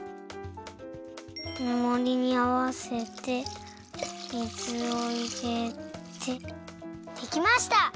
めもりにあわせて水をいれてできました！